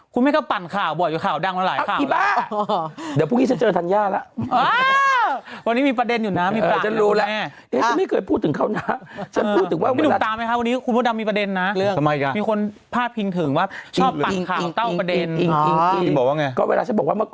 คุณไม่เข้าปั่นข่าวบ่อยอยู่ข่าวดังมาหลายข่าวแล้ว